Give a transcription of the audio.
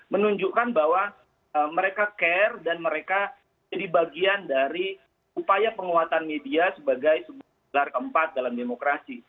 menunjukkan bahwa mereka care dan mereka jadi bagian dari upaya penguatan media sebagai sebuah gelar keempat dalam demokrasi